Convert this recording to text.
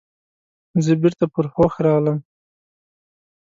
زه بیرته پر هوښ راغلم.